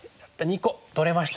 ２個取れました。